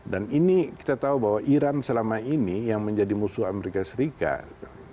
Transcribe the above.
ini kita tahu bahwa iran selama ini yang menjadi musuh amerika serikat